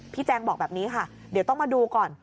แจงบอกแบบนี้ค่ะเดี๋ยวต้องมาดูก่อน